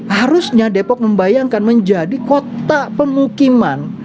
harusnya depok membayangkan menjadi kota pemukiman